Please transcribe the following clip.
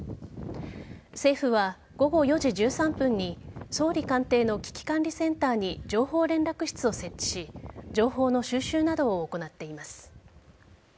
政府は午後４時１３分に総理官邸の危機管理センターに情報連絡室を設置し情報の収集などを行っています。